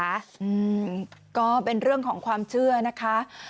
อืมก็เป็นเรื่องของความเชื่อนะคะ